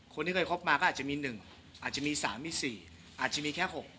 คนที่เคยคบมาก็อาจจะมี๑อาจจะมี๓มี๔อาจจะมีแค่๖